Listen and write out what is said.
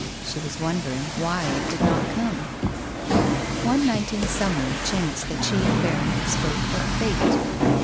She was wondering why it did not come. One night in summer it chanced that she and Berrand spoke of Fate.